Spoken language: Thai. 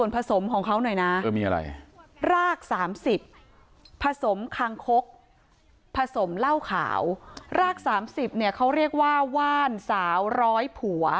ผสมเหล้าขาวราก๓๐เนี่ยเขาเรียกว่าว่านสาวร้อยผัว